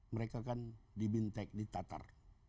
mereka kan di bintek di tatar